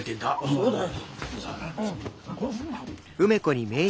そうだよ。